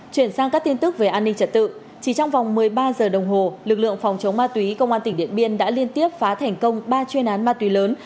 chuyển sang các tin tức về an ninh trật tự chỉ trong vòng một mươi ba giờ đồng hồ lực lượng phòng chống ma túy công an tỉnh điện biên đã liên tiếp phá thành công ba chuyên án ma túy lớn